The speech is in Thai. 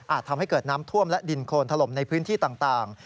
ทำให้เกิดน้ำท่วมและดินโคนถล่มในพื้นที่ต่าง